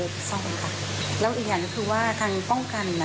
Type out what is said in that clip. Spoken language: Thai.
แล้วเอาเบอร์ไปซ่อนแล้วอีกอย่างคือว่าทางป้องกัน